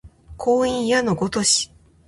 光陰矢のごとし